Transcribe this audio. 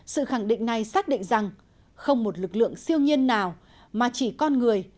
sự khẳng định này xác định rằng không một lực lượng siêu nhiên nào mà chỉ con người